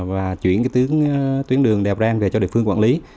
và chuyển tuyến đường đèo bran về cho địa phương quản lý